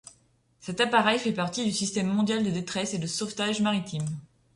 Cet appareil fait partie du Système mondial de détresse et de sauvetage maritime.